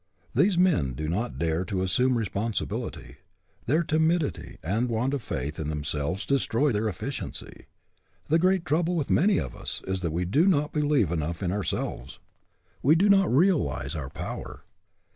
These men do not dare to assume responsibility. Their timidity and want of faith in themselves destroy their efficiency. The great trouble with many of us is that we do not believe enough in ourselves. We do not realize our power.